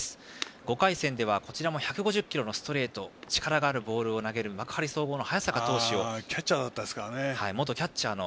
５回戦ではこちらも１５０キロのストレート力があるボールを投げる幕張総合の早坂ピッチャーを。